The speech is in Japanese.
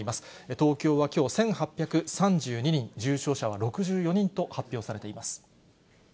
東京はきょう１８３２人、重症者は６４人と発表されています。